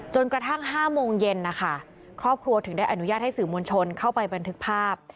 กระทั่ง๕โมงเย็นนะคะครอบครัวถึงได้อนุญาตให้สื่อมวลชนเข้าไปบันทึกภาพ